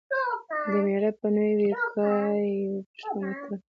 د مېړه به نو یو ګای و . پښتو متل